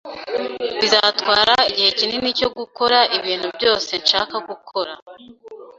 Bizantwara igihe kinini cyo gukora ibintu byose nshaka gukora